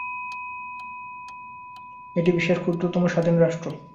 এটি বিশ্বের ক্ষুদ্রতম স্বাধীন রাষ্ট্র।